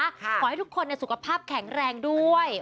ขอให้ทุกคนสุขภาพแข็งแรงด้วย